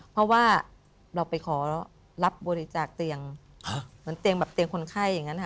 เพราะว่าเราไปขอรับบริจาคเตียงเหมือนเตียงแบบเตียงคนไข้อย่างนั้นค่ะ